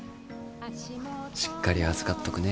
しっかり預かっとくね。